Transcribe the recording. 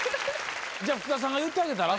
福田さんが言ってあげたら？